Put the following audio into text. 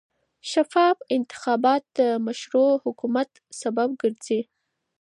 شفاف انتخابات د مشروع حکومت سبب ګرځي